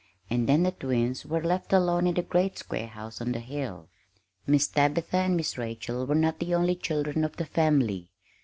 And then the twins were left alone in the great square house on the hill. Miss Tabitha and Miss Rachel were not the only children of the family.